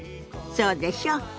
そうでしょ？